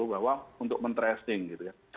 bahwa untuk men tracing gitu ya